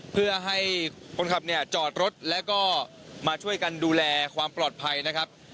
เพื่อให้คนขับเนี่ยจอดรถแล้วก็มาช่วยกันดูแลความปลอดภัยนะครับ